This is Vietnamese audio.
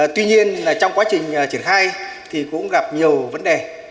tuy nhiên trong quá trình triển khai thì cũng gặp nhiều vấn đề